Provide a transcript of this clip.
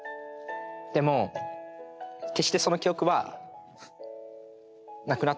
でも決してその記憶はなくなったわけではなく。